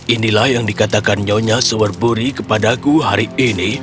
inilah yang dikatakan nyonya sewerburi kepadaku hari ini